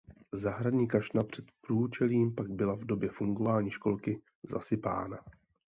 Zahradní kašna před průčelím pak byla v době fungování školky zasypána.